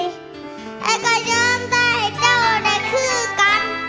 และก็ย้ำใจเจ้าได้คือกัน